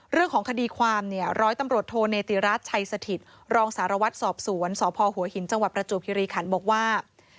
เรื่องของคดีความเนี่ยร้อยตำรวจโทเนติรัฐชัยสถิตรองสารวัตรสอบสวนสพหัวหินจังหวัดประจวบคิริขันบอกว่า